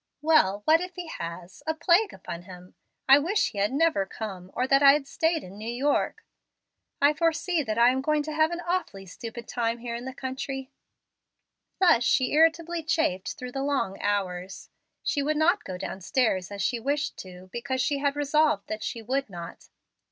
"Well, what if he has? A plague upon him! I wish he had never come, or I had stayed in New York. I foresee that I am going to have an awfully stupid time here in the country." Thus she irritably chafed through the long hours. She would not go downstairs as she wished to, because she had resolved that she would not.